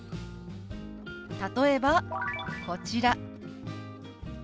例えばこちら。